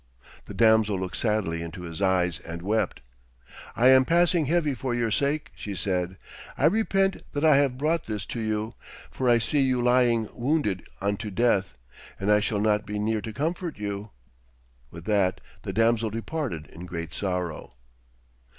The damsel looked sadly into his eyes and wept. 'I am passing heavy for your sake,' she said. 'I repent that I have brought this to you, for I see you lying wounded unto death, and I shall not be near to comfort you.' With that the damsel departed in great sorrow.